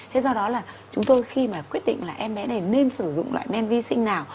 thế do đó là chúng tôi khi mà quyết định là em bé này nên sử dụng loại men vi sinh nào